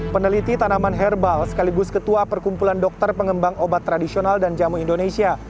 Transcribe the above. peneliti tanaman herbal sekaligus ketua perkumpulan dokter pengembang obat tradisional dan jamu indonesia